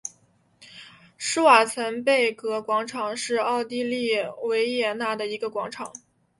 施瓦岑贝格广场是奥地利维也纳的一个广场。